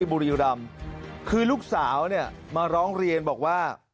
บุรีรำคือลูกสาวเนี่ยมาร้องเรียนบอกว่า